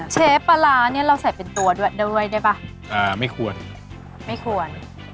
เชฟปลาร้าเนี่ยเราใส่เป็นตัวด้วยได้ป่ะไม่ควรไม่ควร